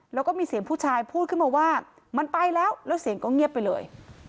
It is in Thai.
แล้วก็มีเสียงผู้ชายพูดขึ้นมาว่ามันไปแล้วแล้วเสียงก็เงียบไปเลย